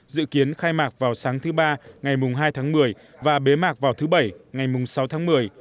dự kiến khai mạc vào sáng thứ ba ngày mùng hai tháng một mươi và bế mạc vào thứ bảy ngày sáu tháng một mươi